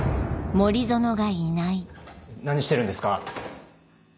何してるんですか？